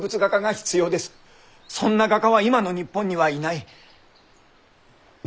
そんな画家は今の日本にはいない。